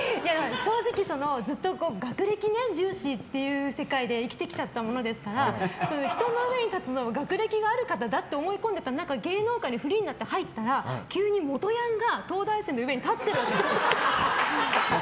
正直、ずっと学歴重視の世界で生きてきちゃったものですから人の上に立つのは学歴がある方だと思っている中芸能界にフリーになって入ったら急に、元ヤンが東大生の上に立ってるわけですよ。